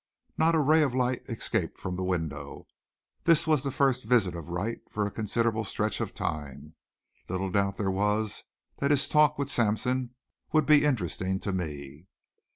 Not a ray of light escaped from the window. This was the first visit of Wright for a considerable stretch of time. Little doubt there was that his talk with Sampson would be interesting to me.